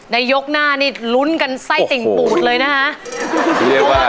ยกหน้านี่ลุ้นกันไส้ติ่งปูดเลยนะคะ